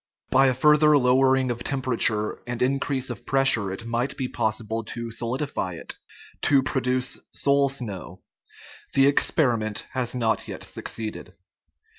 By a further lowering of temperature and increase of pressure it might be possible to solidify it to produce " soul snow. " The experiment has not yet succeeded.